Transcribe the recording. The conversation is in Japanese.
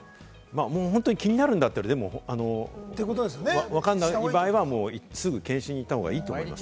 本当に気になるんだったら、わかんない場合はすぐ検診に行った方がいいと思います。